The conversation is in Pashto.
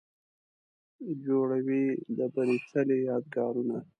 جوړوي د بري څلې، یادګارونه